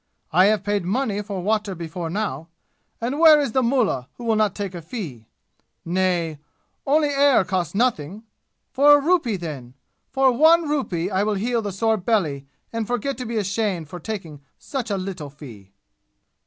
I have paid money for water before now, and where is the mullah who will not take a fee? Nay, only air costs nothing! For a rupee, then for one rupee I will heal the sore belly and forget to be ashamed for taking such a little fee!"